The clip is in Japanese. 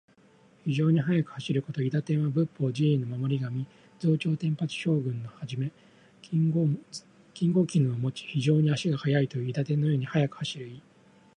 非常に速く走ること。「韋駄天」は仏法・寺院の守り神。増長天八将軍の一。金剛杵をもち、非常に足が速いという。韋駄天のように速く走る意。